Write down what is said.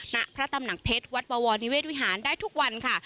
ณพระตำหนักเพชรวัดบวรนิเวศวิหารได้ทุกวันค่ะ